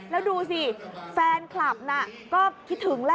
แล้วดูสิแฟนคลับน่ะก็คิดถึงแล้ว